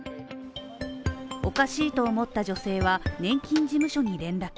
おかしいと思った女性は年金事務所に連絡。